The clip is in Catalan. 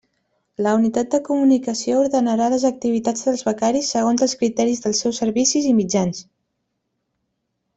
La Unitat de Comunicació ordenarà les activitats dels becaris segons els criteris dels seus servicis i mitjans.